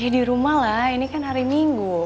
di rumah lah ini kan hari minggu